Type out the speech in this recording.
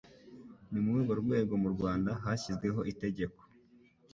Ni muri urwo rwego mu Rwanda hashyizweho Itegeko